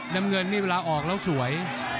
น้ำเงินนี่เวลาออกแล้วสวย